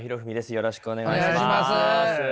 よろしくお願いします。